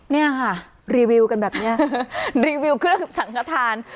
นี่ค่ะรีวิวกันแบบนี้รีวิวเครื่องสังขทาน